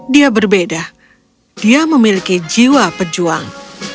dia berbeda dia memiliki jiwa pejuang